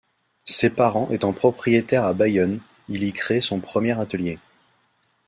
Ses parents étant propriétaires à Bayonne, il y crée son premier atelier.